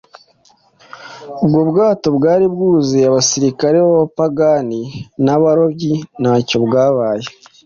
ubwo bwato bwari bwuzuye abasirikare b’abapagani n’abarobyi ntacyo bwabaye.